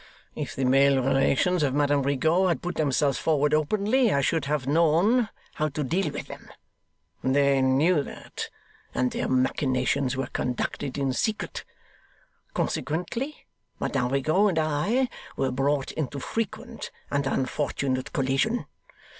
If the male relations of Madame Rigaud had put themselves forward openly, I should have known how to deal with them. They knew that, and their machinations were conducted in secret; consequently, Madame Rigaud and I were brought into frequent and unfortunate collision.